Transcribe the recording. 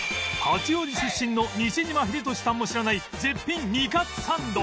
八王子出身の西島秀俊さんも知らない絶品煮かつサンド